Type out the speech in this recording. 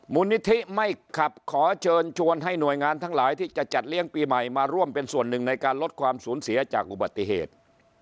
มูลนิธิไม่ขับขอเชิญชวนให้หน่วยงานทั้งหลายที่จะจัดเลี้ยงปีใหม่มาร่วมเป็นส่วนหนึ่งในการลดความสูญเสียจากอุบัติเหตุ